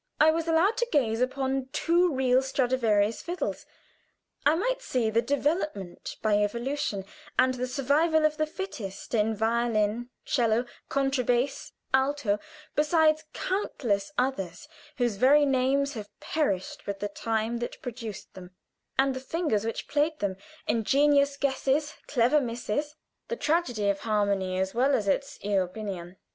I was allowed to gaze upon two real Stradivarius fiddles. I might see the development by evolution, and the survival of the fittest in violin, 'cello, contrabass, alto, beside countless others whose very names have perished with the time that produced them, and the fingers which played them ingenious guesses, clever misses the tragedy of harmony as well as its "Io Pæan!"